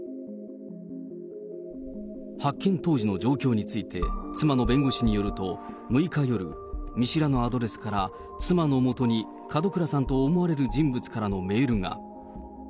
発見当時の状況について、妻の弁護士によると、６日夜、見知らぬアドレスから、妻のもとに門倉さんと思われる人物からのメールが。